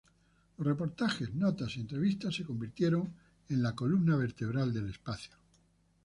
Los reportajes, notas y entrevistas se convirtieron en la columna vertebral del espacio.